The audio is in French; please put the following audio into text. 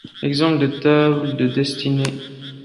Exemple de table de destinées.